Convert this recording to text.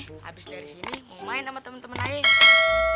habis dari sini mau main sama temen temen aja